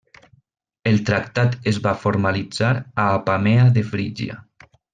El tractat es va formalitzar a Apamea de Frígia.